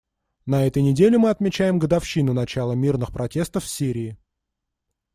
На этой неделе мы отмечаем годовщину начала мирных протестов в Сирии.